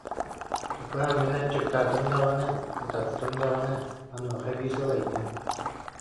Тукаам, мин аччыктаатым даҕаны, утаттым даҕаны, онуоха эбии сылайдым